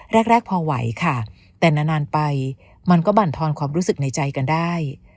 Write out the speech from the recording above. แรกพอไหวค่ะแต่นานไปมันก็บรรทอนความรู้สึกในใจกันได้